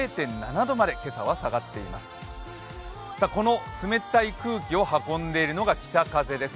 この冷たい空気を運んでいるのが北風です。